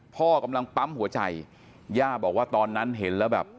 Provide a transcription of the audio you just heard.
พ่อกำลังปั๊มหัวใจย่าบอกว่าตอนนั้นเห็นแล้วแบบ